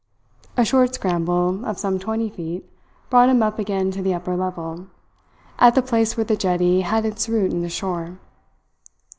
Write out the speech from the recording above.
A short scramble of some twenty feet brought him up again to the upper level, at the place where the jetty had its root in the shore.